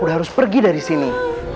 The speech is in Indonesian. udah harus pergi dari sini